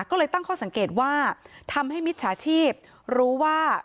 ก็เลยตั้งข้อสังเกตว่าทำให้มิจฉาชีพรู้ว่า